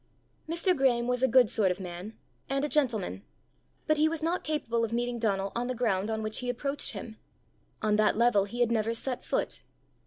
Mr. Graeme was a good sort of man, and a gentleman; but he was not capable of meeting Donal on the ground on which he approached him: on that level he had never set foot.